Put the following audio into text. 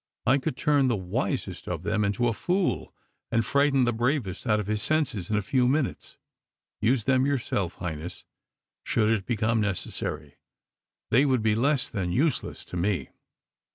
I could turn the wisest of them into a fool, and frighten the bravest out of his senses in a few minutes. Use them yourself, Highness, should it become necessary. They would be less than useless to me."